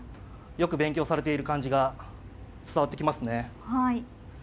よく勉強されている感じが伝わってきますね。